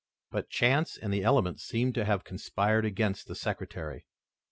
But chance and the elements seemed to have conspired against the secretary.